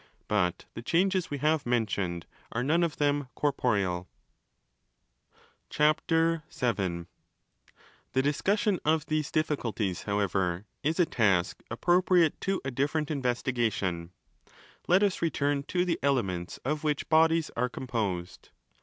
But the changes we have mentioned are none 15 of them corporeal. The discussion of these difficulties, however, is a task 7 appropriate to a different investigation:' let us return to the ' elements' of which bodies are composed.